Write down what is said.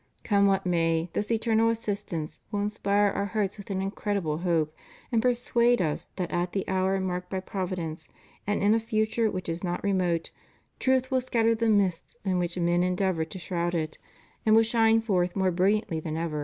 Come what may, this eternal assistance will inspire our hearts with an incredible hope and persuade us that at the houi' marked by Providence and in a future which is not remote, truth will scatter the mists in which men endeavor to shroud it and will shine forth more brilliantly than ever.